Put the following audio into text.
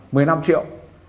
mười năm triệu